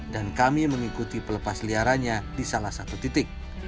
dan kami mengikuti pelepasliarannya di salah satu titik